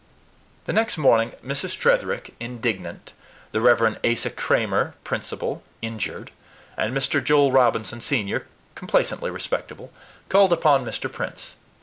The next morning Mrs. Tretherick, indignant, the Rev. Asa Crammer, principal, injured, and Mr. Joel Robinson, Sr., complacently respectable, called upon Mr. Prince.